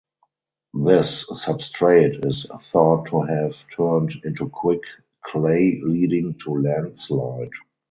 This substrate is thought to have turned into quick clay leading to landslide.